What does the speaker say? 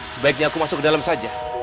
sebaiknya aku masuk ke dalam saja